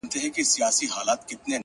ځه پرېږده وخته نور به مي راويښ کړم ،